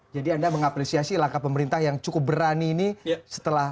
jadi anda mengapresiasi langkah pemerintah yang cukup berani ini setelah